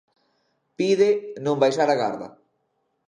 Pide non baixar a garda.